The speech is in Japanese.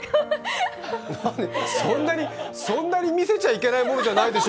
そんなに見せちゃいけないものじゃないでしょ